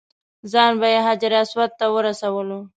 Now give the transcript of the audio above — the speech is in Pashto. ځان به یې حجر اسود ته ورسولو.